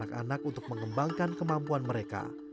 dia ajak anak anak untuk mengembangkan kemampuan mereka